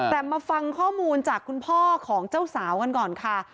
แต่มาฟังข้อมูลจากคุณพ่อของเจ้าสาวกันก่อนค่ะ